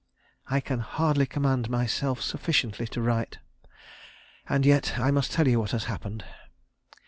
I can hardly command myself sufficiently to write, and yet I must tell you what has happened.